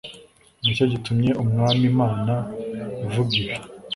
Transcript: ni cyo gitumye umwami imana ivuga iti